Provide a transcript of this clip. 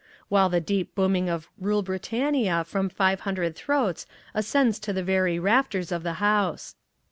while the deep booming of "Rule Britannia" from five hundred throats ascends to the very rafters of the House.